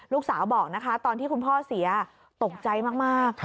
ลูกสาวบอกนะคะตอนที่คุณพ่อเสียตกใจมาก